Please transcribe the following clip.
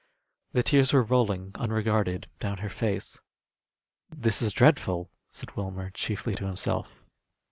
The tears were rolling unregarded down her face. "This is dreadful," said Wilmer, chiefly to himself.